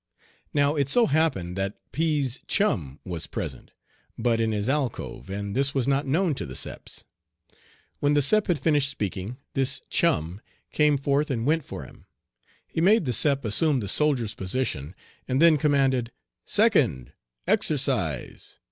Now it so happened that P 's chum was present, but in his alcove, and this was not known to the Seps. When the Sep had finished speaking, this chum came forth and "went for" him. He made the Sep assume the soldier's position, and then commanded, "Second, exercise!"